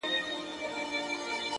لکه باران اوس د هيندارو له کوڅې وځم!